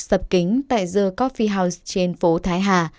lập kính tại the coffee house trên phố thái hà